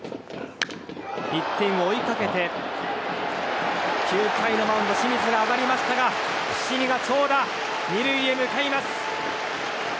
１点を追いかけて９回のマウンド清水が上がりましたが伏見が長打、２塁へ向かいます。